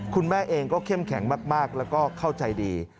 คุณแม่เองก็เข้มแข็งมากแล้วก็เข้าใจดี